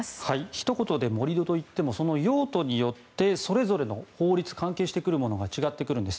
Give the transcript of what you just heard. ひと言で盛り土といってもその用途によってそれぞれの法律が関係してくるものが違ってくるんです。